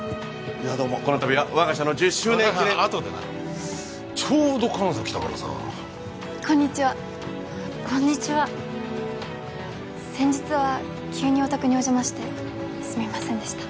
どうもこのたびは我が社の１０周年記念あとでなちょうど彼女来たからさこんにちはこんにちは先日は急にお宅にお邪魔してすみませんでした